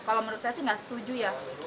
kalau menurut saya sih nggak setuju ya